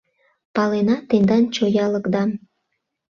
Палена тендан чоялыкдам!